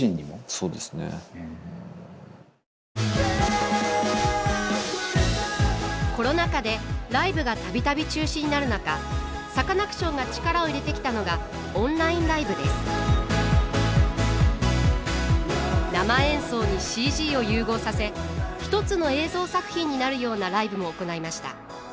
「触れた」コロナ禍でライブがたびたび中止になる中サカナクションが力を入れてきたのが生演奏にＣＧを融合させ一つの映像作品になるようなライブも行いました。